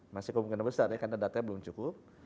masih kemungkinan besar ya karena datanya belum cukup